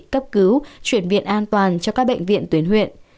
cấp cứu chuyển viện an toàn cho các bệnh viện tuyến huyện